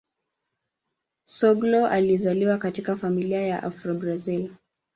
Soglo alizaliwa katika familia ya Afro-Brazil.